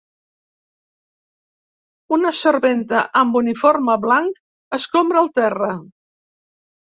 Una serventa amb uniform blanc escombra el terra.